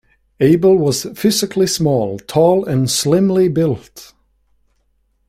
Abel was physically small, tall and slimly built.